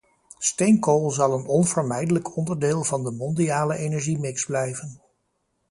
Steenkool zal een onvermijdelijk onderdeel van de mondiale energiemix blijven.